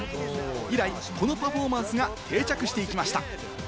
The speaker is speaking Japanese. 以来、このパフォーマンスが定着していきました。